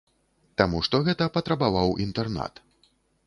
Таму што гэта патрабаваў інтэрнат.